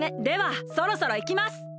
ではそろそろいきます！